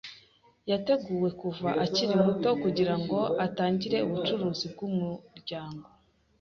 Yateguwe kuva akiri muto kugira ngo atangire ubucuruzi bwumuryango.